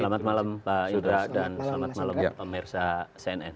selamat malam pak yudha dan selamat malam pemirsa cnn